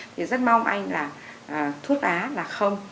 thì rất mong anh là thuốc lá là không